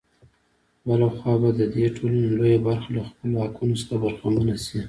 بـله خـوا بـه د دې ټـولـنې لـويه بـرخـه لـه خپـلـو حـقـونـو څـخـه بـرخـمـنـه شـي.